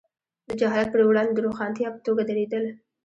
د جهالت پر وړاندې د روښانتیا په توګه درېدل.